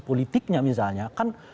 politiknya misalnya kan